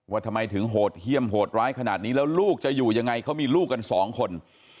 ทำไมถึงโหดเยี่ยมโหดร้ายขนาดนี้แล้วลูกจะอยู่ยังไงเขามีลูกกันสองคน